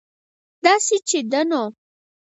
داسې چې ده نو